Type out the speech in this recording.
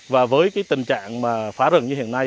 và với cái tình trạng mà phá rừng như hiện nay